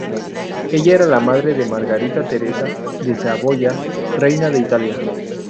Ella era la madre de Margarita Teresa de Saboya, reina de Italia.